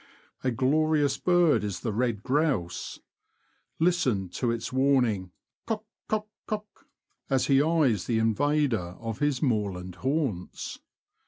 A glorious bird is the red grouse ! Listen to his warning '' kok, kok, kok," as he eyes the invader of his moorland haunts.